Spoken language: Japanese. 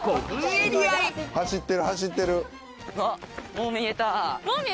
もう見えた？